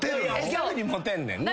ギャルにモテんねんな。